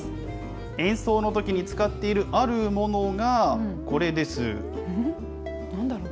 演奏のときに使っているあるものなんだろう。